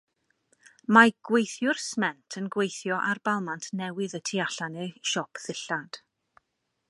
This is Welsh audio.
Mae gweithiwr sment yn gweithio ar balmant newydd y tu allan i siop ddillad.